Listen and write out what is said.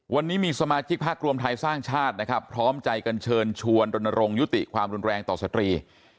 วันนี้มีสมาชิกพักรวมไทยสร้างชาตินะครับพร้อมใจกันเชิญชวนรณรงค์ยุติความรุนแรงต่อสตรี